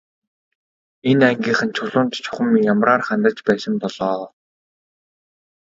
Энэ ангийнхан Чулуунд чухам ямраар хандаж байсан бол оо.